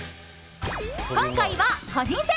今回は個人戦！